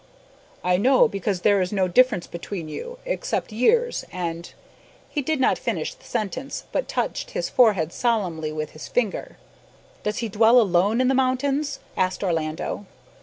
"I know, because there is no difference between you, except years and " He did not finish the sentence, but touched his forehead solemnly with his finger. "Does he dwell alone in the mountains?" asked Orlando.